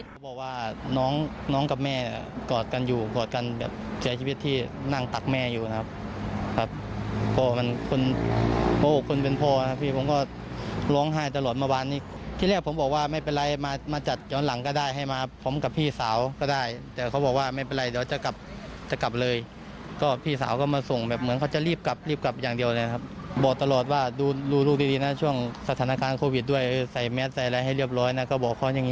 เขาบอกว่าน้องกับแม่กอดกันอยู่กอดกันแบบเสียชีวิตที่นั่งตักแม่อยู่นะครับครับพ่อมันคุณโอ้คุณเป็นพ่อนะครับพี่ผมก็ร้องไห้ตลอดมาวานนี้ที่เรียกผมบอกว่าไม่เป็นไรมาจัดย้อนหลังก็ได้ให้มาพร้อมกับพี่สาวก็ได้แต่เขาบอกว่าไม่เป็นไรเดี๋ยวจะกลับจะกลับเลยก็พี่สาวก็มาส่งแบบเหมือนเขาจะรีบกลับรีบ